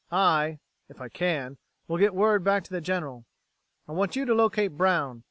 I if I can will get word back to the General. I want you to locate Brown.